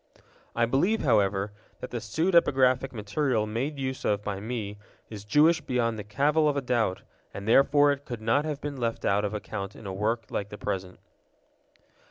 I believe, however, that the pseudepigraphic material made use of by me is Jewish beyond the cavil of a doubt, and therefore it could not have been left out of account in a work like the present.